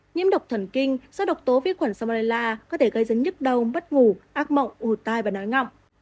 nhiễm độc thần kinh do độc tố vi khuẩn salmonella có thể gây dấn nhức đau bất ngủ ác mộng hù tai và ná ngọc